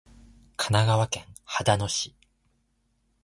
神奈川県秦野市